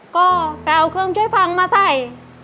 ก็ไปเอาเครื่องช่วยพังมาใส่